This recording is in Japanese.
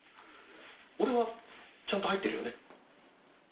俺はちゃんと入ってるよね？